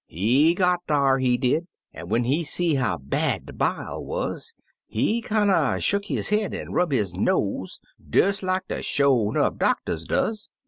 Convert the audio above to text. He got dar, he did, an' when he see how bad de bile wuz, he kinder shuck his head an' rub his nose des like de sho' 'nough doctors does.